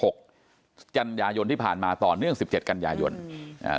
กันยายนที่ผ่านมาต่อเนื่อง๑๗กันยายนอืมอืม